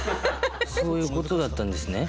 そういうことだったんですね？